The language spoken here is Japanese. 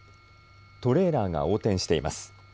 トレーラーが横転しています。